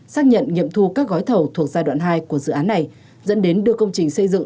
xác nhận nghiệm thu các gói thầu thuộc giai đoạn hai của dự án này dẫn đến đưa công trình xây dựng